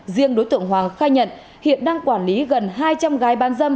riêng đối tượng hoàng khai nhận hiện đang quản lý gần hai trăm linh gái bán dâm